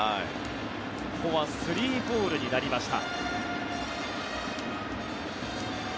ここは３ボールになりました。